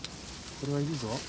これはいるぞ。